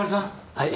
はい。